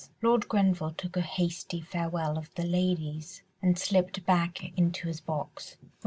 Lord Grenville took a hasty farewell of the ladies and slipped back into his box, where M.